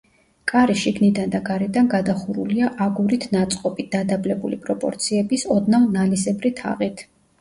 კარი შიგნიდან და გარედან გადახურულია აგურით ნაწყობი, დადაბლებული პროპორციების, ოდნავ ნალისებრი თაღით.